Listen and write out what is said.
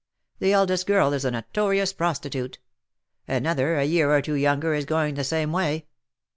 The eldest girl is a notorious prostitute. Another, a year or two younger is going the same way.